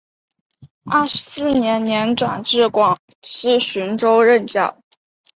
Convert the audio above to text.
二十四年年转至广西浔州任教。